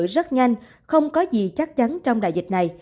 rất nhanh không có gì chắc chắn trong đại dịch này